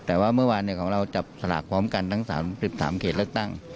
แต่ว่าเมื่อวานของเราจับสลากพร้อมกันทั้ง๓๓เขตเลือกตั้ง